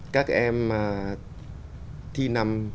các em thi năm